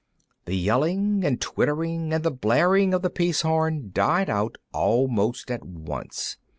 The yelling and twittering and the blaring of the peace horn died out almost at once.